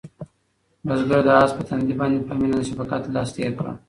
بزګر د آس په تندي باندې په مینه د شفقت لاس تېر کړ.